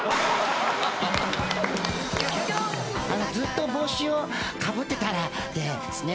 ずっと帽子をかぶってたらですね。